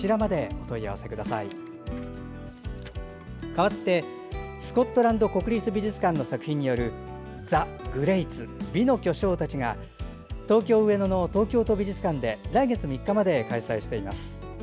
かわってスコットランド国立美術館の作品による「ＴＨＥＧＲＥＡＴＳ美の巨匠たち」が東京・上野の東京都美術館で来月３日まで開催しています。